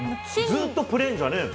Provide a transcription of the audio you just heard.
ずっとプレーンじゃねえの？